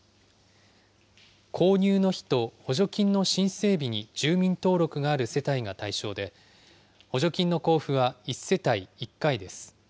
購入の日と補助金の申請日に住民登録がある世帯が対象で、補助金の交付は１世帯１回です。